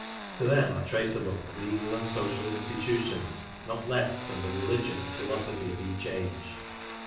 To them are trace i able legal and social institutions not less than the religion and philosophy of each age.